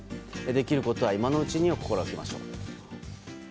できることは今のうちにを心がけましょう。